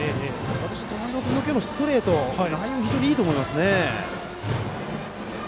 友廣君のストレート内容は非常にいいと思います。